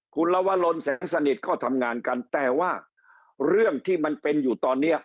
คุณลวรนแสงสนิทก็ทำงานกันแต่ว่าเรื่องที่มันเป็นอยู่ตอนนี้